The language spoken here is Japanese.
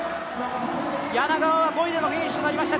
柳川は５位でのフィニッシュとなりました。